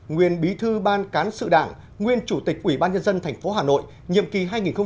nguyên bí thư ban cán sự đảng nguyên chủ tịch ủy ban nhân dân tp hà nội nhiệm kỳ hai nghìn một mươi sáu hai nghìn một mươi sáu